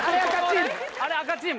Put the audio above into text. あれ赤チーム？